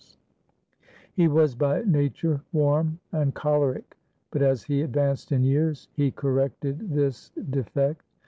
267 AUSTRIA HUNGARY He was by nature warm and choleric; but as he ad vanced in years he corrected this defect.